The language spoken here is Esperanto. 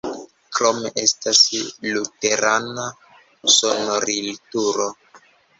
Krome estas luterana sonorilturo.